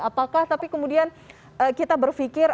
apakah tapi kemudian kita berpikir